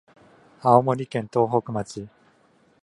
青森県東北町